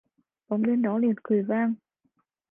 bóng đen đó liền cười vang